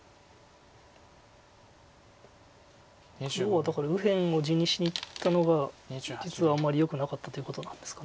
要はだから右辺を地にしにいったのが実はあんまりよくなかったということなんですか。